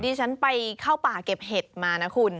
ที่ฉันไปเข้าป่าเก็บเห็ดมานะคุณ